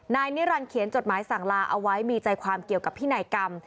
นิรันดิเขียนจดหมายสั่งลาเอาไว้มีใจความเกี่ยวกับพินัยกรรม